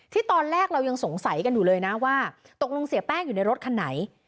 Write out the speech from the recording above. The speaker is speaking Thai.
ตอนแรกเรายังสงสัยกันอยู่เลยนะว่าตกลงเสียแป้งอยู่ในรถคันไหน